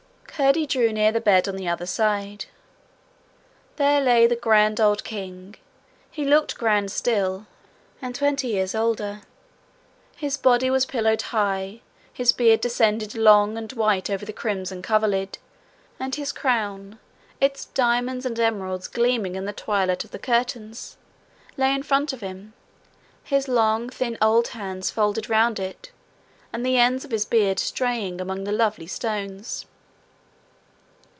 Curdie drew near the bed on the other side. There lay the grand old king he looked grand still, and twenty years older. His body was pillowed high; his beard descended long and white over the crimson coverlid; and his crown, its diamonds and emeralds gleaming in the twilight of the curtains, lay in front of him, his long thin old hands folded round it, and the ends of his beard straying among the lovely stones.